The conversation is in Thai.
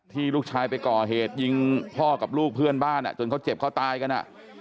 ลูกชายไปก่อเหตุยิงพ่อกับลูกเพื่อนบ้านจนเขาเจ็บเขาตายกัน